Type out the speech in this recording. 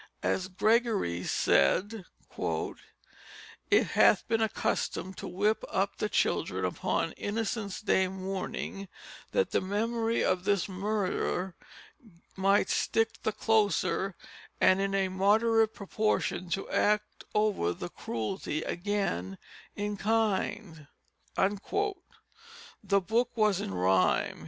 As Gregory said: "It hath been a custom to whip up the children upon Innocent's Day morning, that the memorie of this murther might stick the closer; and in a moderate proportion to act over the crueltie again in kind." The book was in rhyme.